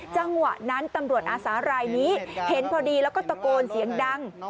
จังหวะนั้นตำรวจอาสารายนี้เห็นพอดีแล้วก็ตะโกนเสียงดัง